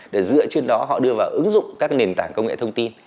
để dựa trên đó họ đưa vào ứng dụng các nền tảng công nghệ thông tin